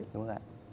đúng rồi ạ